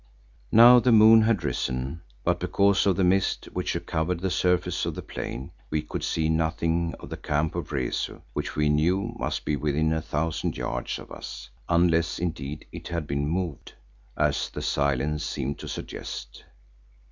Now the moon had risen, but because of the mist which covered the surface of the plain, we could see nothing of the camp of Rezu which we knew must be within a thousand yards of us, unless indeed it had been moved, as the silence seemed to suggest.